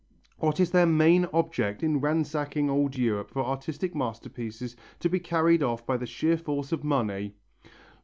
What is their main object in ransacking old Europe for artistic masterpieces to be carried off by the sheer force of money?